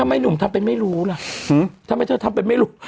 หนุ่มทำเป็นไม่รู้ล่ะทำไมเธอทำเป็นไม่รู้